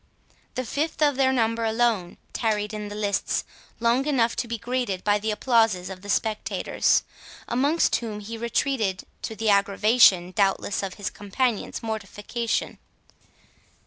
The fifth of their number alone tarried in the lists long enough to be greeted by the applauses of the spectators, amongst whom he retreated, to the aggravation, doubtless, of his companions' mortification.